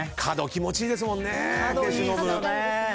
角気持ちいいですもんね。